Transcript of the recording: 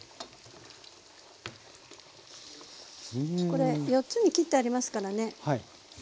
これ４つに切ってありますからね。